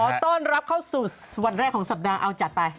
ต้อนรับเข้าสู่วันแรกของสัปดาห์เอาจัดไป